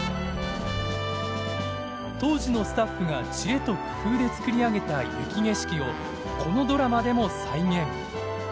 当時のスタッフが知恵と工夫で作り上げた雪景色をこのドラマでも再現。